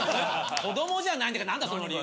子供じゃないんだから何だその理由。